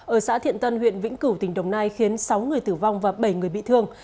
ở xã thiện tân huyện vĩnh cửu tỉnh đồng nai khiến sáu người tử vong và bảy người bị thương